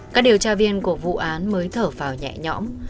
các điều tra viên của vụ án mới thở vào nhẹ nhõm